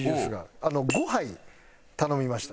５杯頼みました。